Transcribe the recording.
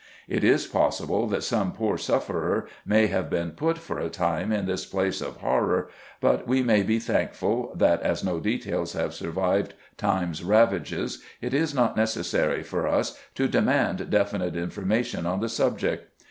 It is possible that some poor sufferer may have been put, for a time, in this place of horror, but we may be thankful that, as no details have survived time's ravages, it is not necessary for us to demand definite information on the subject.